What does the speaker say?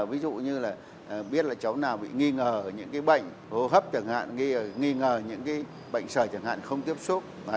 ví dụ như là biết là cháu nào bị nghi ngờ những cái bệnh hô hấp chẳng hạn nghi ngờ những cái bệnh sở chẳng hạn không tiếp xúc